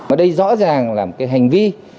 ở đây rõ ràng là một cái hành vi